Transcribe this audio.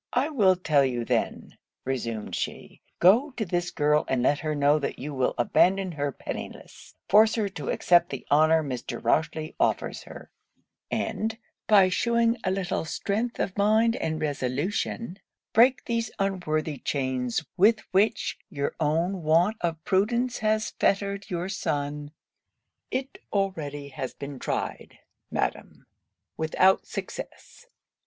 'I will tell you then,' resumed she 'Go to this girl, and let her know that you will abandon her pennyless; force her to accept the honour Mr. Rochely offers her; and, by shewing a little strength of mind and resolution, break these unworthy chains with which your own want of prudence has fettered your son.' 'It has already been tried, Madam, without success.